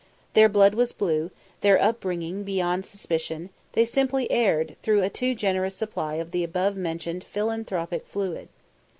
Their blood was blue, their upbringing beyond suspicion; they simply erred through a too generous supply of the above mentioned philanthropic fluid.